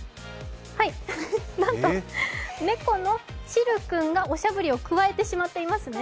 なんと、猫のチル君がおしゃぶりをくわえてしまっていますね。